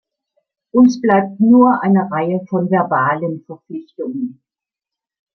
Uns bleibt nur eine Reihe von verbalen Verpflichtungen.